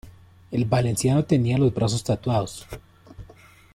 El valenciano tenía los brazos tatuados.